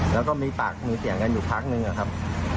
แล้วก็มีปากมีเสียงกันอยู่พักนึงอะครับ